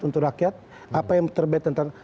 untuk rakyat apa yang terbaik tentang